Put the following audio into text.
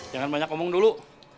jangan banyak omong dulu